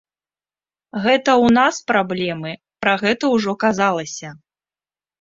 Гэта ў нас праблемы, пра гэта ўжо казалася.